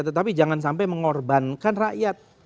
tetapi jangan sampai mengorbankan rakyat